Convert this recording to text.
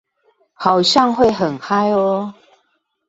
好像會很嗨喔